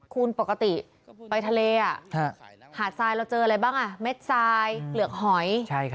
คุณปกติไปทะเลหาดทรายเราเจออะไรบ้างเม็ดทรายเปลือกหอย